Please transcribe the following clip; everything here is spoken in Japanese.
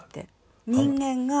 人間が。